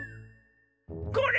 これ！